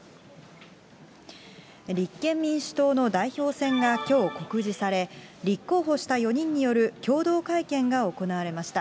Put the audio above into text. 立憲民主党の代表選がきょう告示され、立候補した４人による共同会見が行われました。